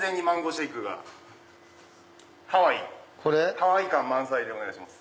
ハワイ感満載でお願いします。